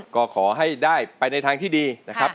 ก็ขอให้ได้ไปในทางที่ดีนะครับ